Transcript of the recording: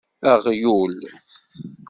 Aɣyul!